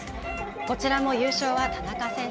こちらも優勝は田中選手。